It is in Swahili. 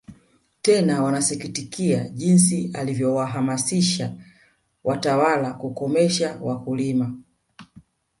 Tena wanasikitikia jinsi alivyohamasisha watawala kukomesha wakulima